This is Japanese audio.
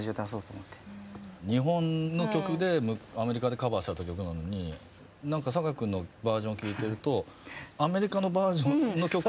日本の曲でアメリカでカバーされた曲なのに何かさかい君のバージョンを聴いてるとアメリカのバージョンの曲をこっちで聴いて。